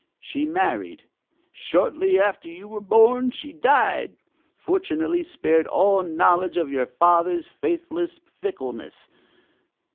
"She married. Shortly after you were born, she died, fortunately spared all knowledge of your father's faithless fickleness.